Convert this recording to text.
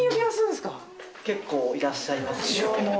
結構いらっしゃいます。